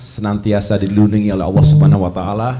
senantiasa dilindungi oleh allah swt